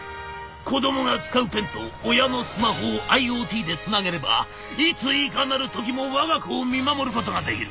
子どもが使うペンと親のスマホをＩｏＴでつなげればいついかなる時もわが子を見守ることができる。